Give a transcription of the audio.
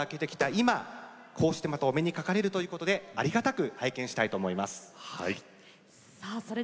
今こうしてお目にかかれるということでありがたく拝見しましょう。